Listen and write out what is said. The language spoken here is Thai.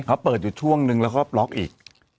เขาเปิดอยู่ช่วงนึงแล้วก็บล็อกอีก